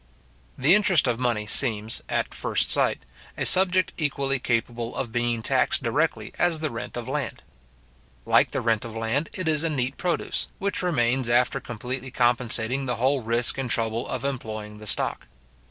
The interest of money seems, at first sight, a subject equally capable of being taxed directly as the rent of land. Like the rent of land, it is a neat produce, which remains, after completely compensating the whole risk and trouble of employing the stock.